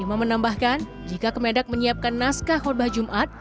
iman menambahkan jika kemenak menyiapkan naskah kotbah jumat